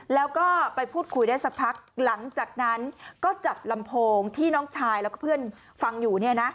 แล้วก็ไปพูดคุยได้สักพักหลังจากนั้นก็จับลำโพงที่น้องชายแล้วก็เพื่อนฟังอยู่